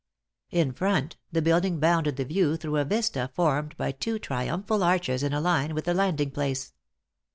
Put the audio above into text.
In front, the building bounded the view through a vista formed by two triumphal arches in a line with the landing place.